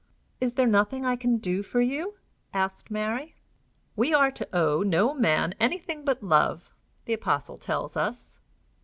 "Is there nothing I can do for you?" asked Mary. "We are to owe no man anything but love, the apostle tells us."